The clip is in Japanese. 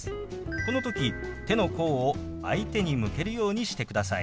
この時手の甲を相手に向けるようにしてください。